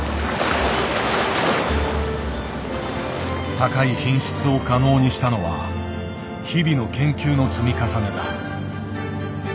高い品質を可能にしたのは日々の研究の積み重ねだ。